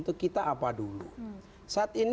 dan kita bisa melakukan